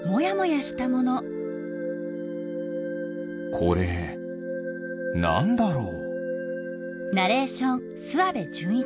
これなんだろう？